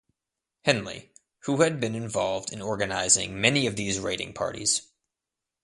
Henley, who had been involved in organizing many of these raiding parties.